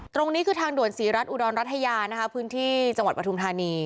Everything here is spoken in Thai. ตรงนี้คือทางด่วนศรีรัฐอุดรรัฐยานะคะพื้นที่จังหวัดปฐุมธานี